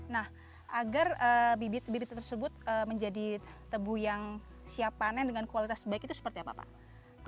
nah agar bibit bibit tersebut menjadi tebu yang siap panen dengan kualitas baik itu seperti apa pak